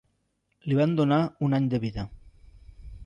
Li van donar un any de vida.